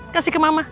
kasih ke mama